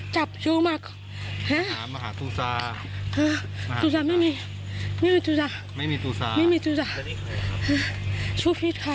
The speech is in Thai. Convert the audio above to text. จะพาพลิกไปเที่ยว